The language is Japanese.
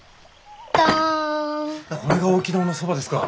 これが沖縄のそばですか。